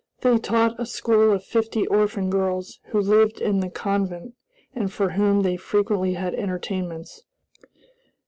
They taught a school of fifty orphan girls, who lived in the convent, and for whom they frequently had entertainments.